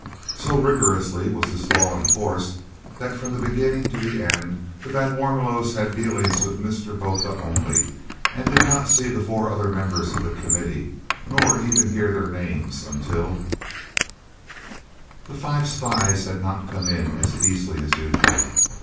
So rigorously was this law enforced that from beginning to end the van Warmelos had dealings with Mr. Botha only, and did not see the four other members of the Committee, nor even hear their names until The five spies had not come in as easily as usual.